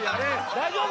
・大丈夫？